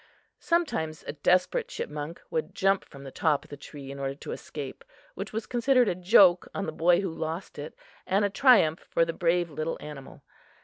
Sometimes a desperate chipmunk would jump from the top of the tree in order to escape, which was considered a joke on the boy who lost it and a triumph for the brave little animal.